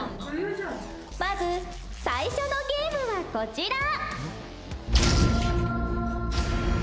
まず最初のゲームはこちら。